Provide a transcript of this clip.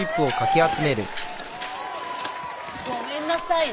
ごめんなさいね。